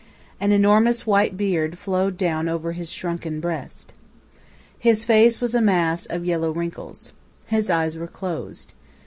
An enormous white beard flowed down over his shrunken breast. His face was a mass of yellow wrinkles. His eyes were closed.